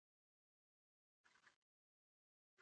د هند لویه نیمه وچه، جاپان او ایران په ختیځ کې دي.